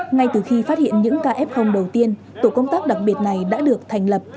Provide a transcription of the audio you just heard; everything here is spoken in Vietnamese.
ngay từ khi phát hiện những kf đầu tiên tổ công tác đặc biệt này đã được thành lập